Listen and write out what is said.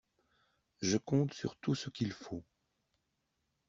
Je compte sur tout ce qu'il faut.